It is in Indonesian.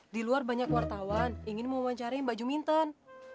di luar banyak wartawan ingin mewawancarai mbak juwminton